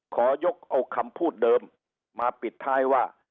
ขอยกเอาคำพูดเดิมมาปิดท้ายว่า